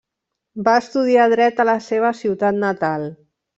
Va estudiar Dret a la seva ciutat natal.